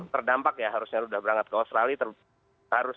terdampak ya harusnya udah berangkat ke australia